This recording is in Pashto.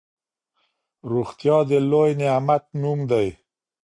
روغتيا د لوی نعمت نوم دی.